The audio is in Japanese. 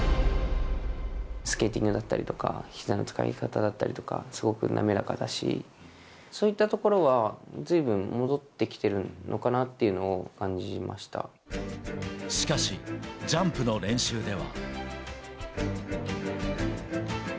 スケーティングだったりとか、ひざの使い方だったりとか、すごく滑らかだし、そういったところはずいぶん戻ってきてるのかなっていうのを感じしかし、ジャンプの練習では。